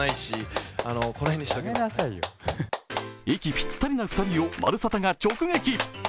息ぴったりな２人を「まるサタ」が直撃。